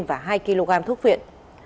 và hai kg thuốc viện